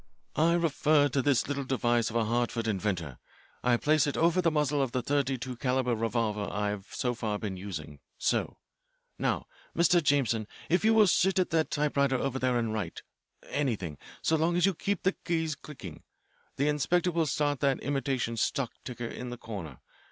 "I refer to this little device of a Hartford inventor. I place it over the muzzle of the thirty two calibre revolver I have so far been using so. Now, Mr. Jameson, if you will sit at that typewriter over there and write anything so long as you keep the keys clicking. The inspector will start that imitation stock ticker in the corner.